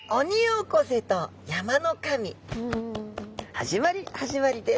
始まり始まりです。